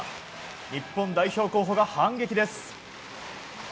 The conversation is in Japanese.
日本代表候補が反撃です。